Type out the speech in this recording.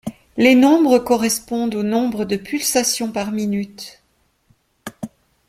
Les nombres correspondent au nombre de pulsations par minute.